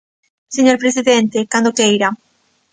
Señor presidente, cando queira.